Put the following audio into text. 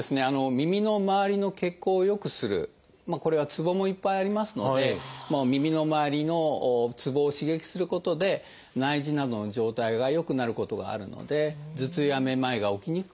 耳の周りの血行を良くするこれはツボもいっぱいありますので耳の周りのツボを刺激することで内耳などの状態が良くなることがあるので頭痛やめまいが起きにくくなる。